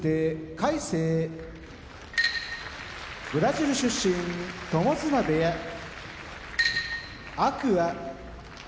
魁聖ブラジル出身友綱部屋天空海